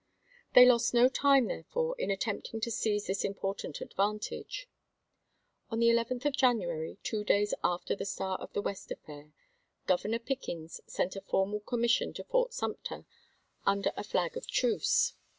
They lost no time, therefore, in attempting to seize this important advantage. On the 11th of January, two days after the Star of the West affair, Governor Pickens sent a formal commission to Fort Sumter under a flag of truce.